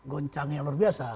goncang yang luar biasa